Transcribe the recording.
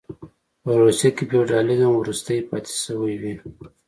په روسیه کې فیوډالېزم وروستۍ پاتې شوې وې.